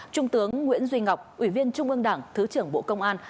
trung tướng nguyễn duy ngọc ủy viên trung ương đảng thứ trưởng bộ công an